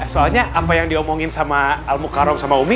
soalnya apa yang diomongin sama al mukarram sama umi